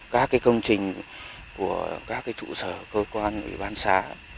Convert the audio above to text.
các cái công trình của các cái trụ sở cơ quan ủy ban xã